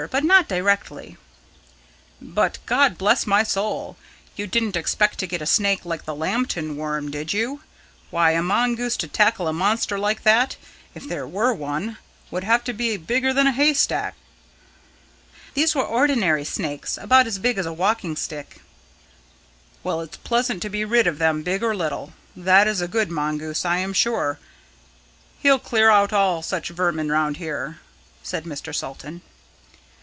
But not directly." "But, God bless my soul, you didn't expect to get a snake like the Lambton worm, did you? Why, a mongoose, to tackle a monster like that if there were one would have to be bigger than a haystack." "These were ordinary snakes, about as big as a walking stick." "Well, it's pleasant to be rid of them, big or little. That is a good mongoose, I am sure; he'll clear out all such vermin round here," said Mr. Salton.